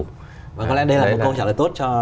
có lẽ đây là một câu trả lời tốt